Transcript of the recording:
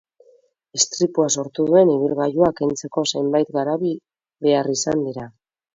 Istripua sortu duen ibilgailua kentzeko zenbait garabi behar izan dira.